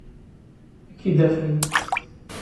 Ad k-id-afent.